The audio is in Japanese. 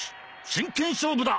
真剣勝負だ！